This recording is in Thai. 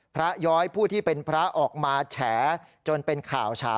ย้อยผู้ที่เป็นพระออกมาแฉจนเป็นข่าวฉา